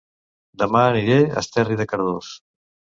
Dema aniré a Esterri de Cardós